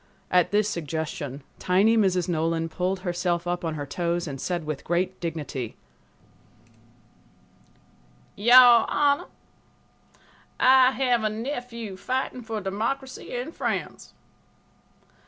At this suggestion, tiny Mrs. Nolan pulled herself up on her toes and said with great dignity: "Your Honor, I have a nephew fighting for democracy in France.